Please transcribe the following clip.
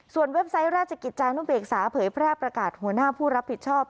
เว็บไซต์ราชกิจจานุเบกษาเผยแพร่ประกาศหัวหน้าผู้รับผิดชอบ